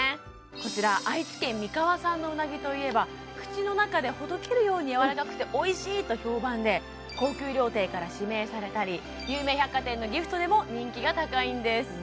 こちら愛知県三河産のうなぎといえば口の中でほどけるようにやわらかくておいしいと評判で高級料亭から指名されたり有名百貨店のギフトでも人気が高いんです